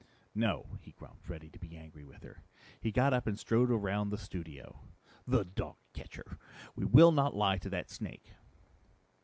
"No," he grumped, ready to be angry with her. He got up and strode around the studio. "The dog catcher! We will not lie to that snake!"